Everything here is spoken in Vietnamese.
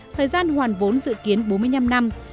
thời gian hoàn vốn dự kiến bốn mươi năm năm